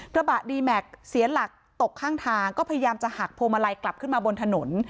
ระบะดีแม็กซ์เสียหลักตกข้างทางก็พยายามจะหักพวงมาลัยกลับขึ้นมาบนถนน